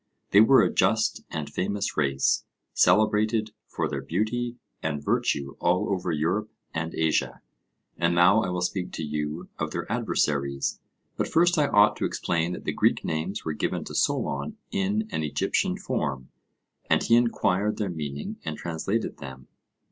They were a just and famous race, celebrated for their beauty and virtue all over Europe and Asia. And now I will speak to you of their adversaries, but first I ought to explain that the Greek names were given to Solon in an Egyptian form, and he enquired their meaning and translated them.